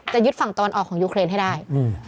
ยึดฝั่งตะวันออกของยูเครนให้ได้